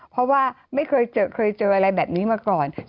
เพราะว่าไม่เคยเจอเคยเจออะไรแบบนี้มาก่อน